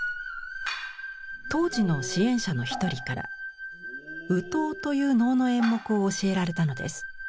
当時の支援者の一人から「善知鳥」という能の演目を教えられたのです。